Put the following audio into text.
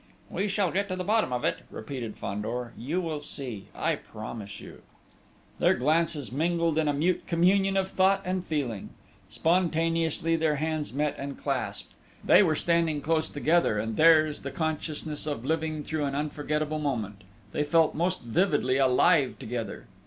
"We shall get to the bottom of it," repeated Fandor. "You will see, I promise you...." Their glances mingled in a mute communion of thought and feeling.... Spontaneously, their hands met and clasped.... They were standing close together, and theirs the consciousness of living through an unforgettable moment: they felt most vividly alive together.